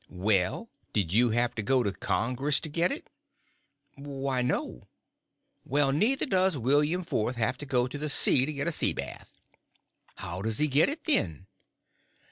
"Well, did you have to go to Congress to get it?" "Why, no." "Well, neither does William Fourth have to go to the sea to get a sea bath." "How does he get it, then?"